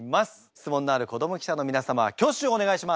質問のある子ども記者の皆様は挙手をお願いします。